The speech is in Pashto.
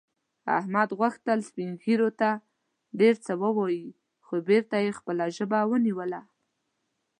احمد غوښتل سپین ږیرو ته ډېر څه ووايي، خو بېرته یې خپله ژبه ونیوله.